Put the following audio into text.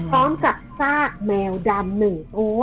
พร้อมกับซากแมวดำ๑ตัว